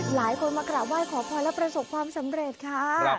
หลายคนมากราบไหว้ขอพรและประสบความสำเร็จค่ะ